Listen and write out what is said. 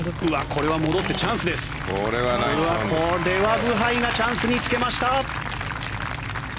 これはブハイがチャンスにつけました。